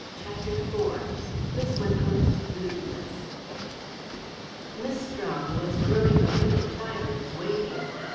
CHAPTER IV MISS WENTWORTH'S RUDENESS Miss Strong was growing a little tired of waiting.